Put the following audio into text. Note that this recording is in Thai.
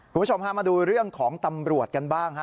คุณผู้ชมพามาดูเรื่องของตำรวจกันบ้างฮะ